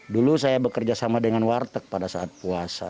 dulu saya bekerja sama dengan warteg pada saat puasa